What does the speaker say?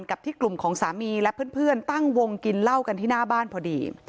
กับที่กลุ่มของสามีและเพื่อนตั้งวงกินเหล้ากันที่หน้าบ้านพอดี